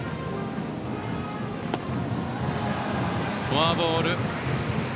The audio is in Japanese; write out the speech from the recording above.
フォアボール。